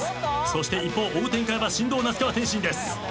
そして一方追う展開は神童那須川天心です。